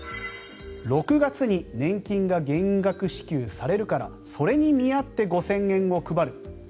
６月に年金が減額支給されるからそれに見合って５０００円を配る。